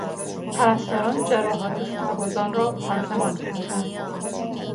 پرستاران جراحات سربازان را پانسمان کردند.